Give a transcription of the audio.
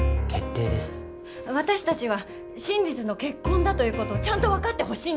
私たちは真実の結婚だということをちゃんと分かってほしいんです。